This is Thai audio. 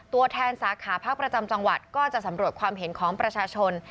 ตัวแทนสาขาพักประจำจังหวัดก็จะสำรวจความเห็นของประชาชน